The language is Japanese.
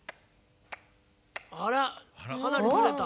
あらかなりずれた。